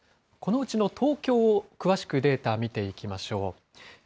このうちの東京を詳しくデータ見ていきましょう。